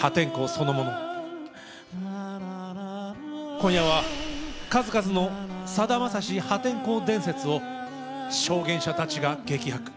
今夜は数々の「さだまさし破天荒伝説」を証言者たちが激白！